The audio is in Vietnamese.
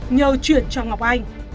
nhờ chuyển cho ngọc anh